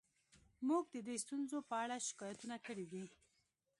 موږ د دې ستونزو په اړه شکایتونه کړي دي